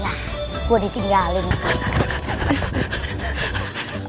yah gua ditinggalin iya